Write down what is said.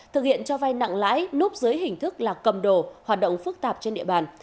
thực hiện cho vay nặng lãi núp dưới hình thức là cầm đồ hoạt động phức tạp trên địa bàn